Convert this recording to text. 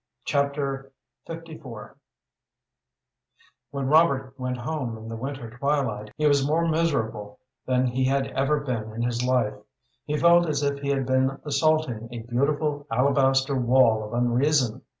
Chapter LIV When Robert went home in the winter twilight he was more miserable than he had ever been in his life. He felt as if he had been assaulting a beautiful alabaster wall of unreason.